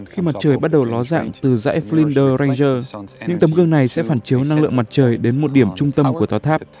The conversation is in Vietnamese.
khi mặt trời bắt đầu ló dạng từ dãy flinder ranger những tấm gương này sẽ phản chiếu năng lượng mặt trời đến một điểm trung tâm của tòa tháp